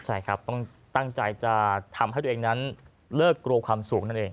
ใช่ครับต้องตั้งใจจะทำให้ตัวเองนั้นเลิกกลัวความสูงนั่นเอง